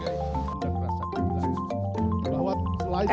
kami merasa terdakwa